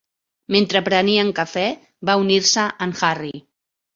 Mentre prenien cafè, va unir-se en Harry.